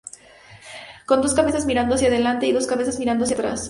Con dos cabezas mirando hacia adelante y dos cabezas mirando hacia atrás.